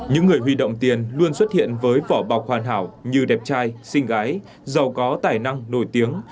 những người huy động tiền luôn xuất hiện với vỏ bọc hoàn hảo như đẹp trai sinh gái giàu có tài năng nổi tiếng